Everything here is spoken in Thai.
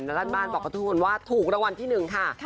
และด้านบ้านบอกกับทุกคนว่าถูกรางวัลที่๑ค่ะ